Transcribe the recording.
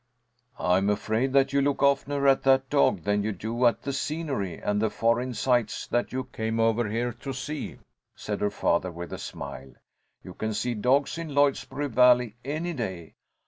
"I'm afraid that you look oftener at that dog than you do at the scenery and the foreign sights that you came over here to see," said her father, with a smile. "You can see dogs in Lloydsboro Valley any day."